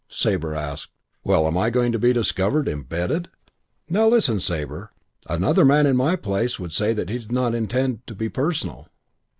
Sabre asked, "Well, am I going to be discovered embedded " "Now, listen, Sabre. Another man in my place would say he did not intend to be personal.